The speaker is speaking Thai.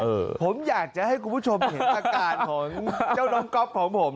ผมอยากจะให้คุณผู้ชมเห็นอาการของเจ้าน้องก๊อฟของผม